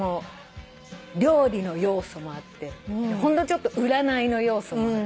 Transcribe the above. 料理の要素もあってほんのちょっと占いの要素もあって。